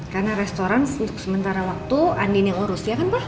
karena restoran untuk sementara waktu andien yang urus ya kan pak